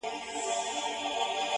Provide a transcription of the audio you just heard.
راته يادېږې شپه كړم څنگه تېره؛